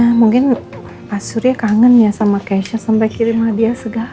oh ya mungkin pak surya kangen ya sama keisha sampai kirim hadiah segala